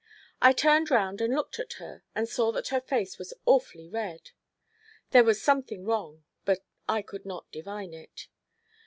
I turned round and looked at her, and saw that her face was awfully red; there was something wrong but I could not divine it.